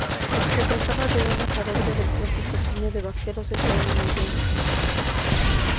Se trataba de una parodia del clásico cine de vaqueros estadounidense.